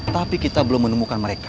tapi kita belum menemukan mereka